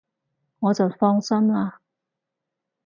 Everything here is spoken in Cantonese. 我就放心喇